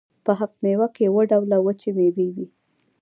په هفت میوه کې اووه ډوله وچې میوې وي.